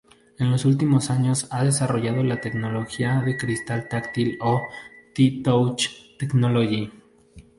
En los últimos años ha desarrollado la tecnología de cristal táctil o "T-Touch "technology"".